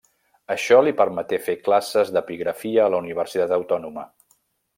Això li permeté fer classes d'epigrafia a la Universitat Autònoma.